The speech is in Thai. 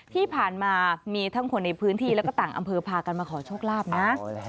ที่ผ่านมามีทั้งคนในพื้นที่แล้วก็ต่างอำเภอพากันมาขอโชคลาภนะ